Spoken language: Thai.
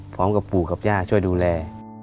พร้อมกับปู่กับย่าช่วยดูแล